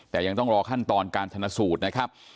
แต่ยังต้องรอขั้นตอนการชนะสูตรนะครับ